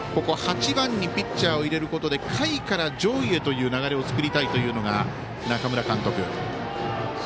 ８番にピッチャーを入れることで下位から上位へという流れを作りたいというのが中村監督。